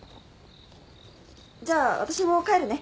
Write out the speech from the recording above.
じゃあ私も帰るね。